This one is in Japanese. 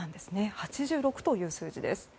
８６という数字です。